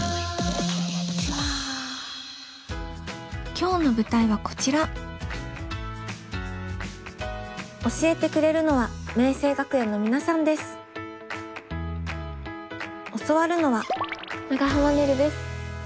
今日の舞台はこちら教えてくれるのは教わるのは長濱ねるです。